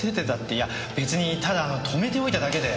いや別にただ止めておいただけで。